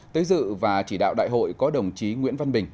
tới dự và chỉ đạo đại hội có đồng chí nguyễn văn bình